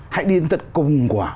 hãy đi đến tất cùng của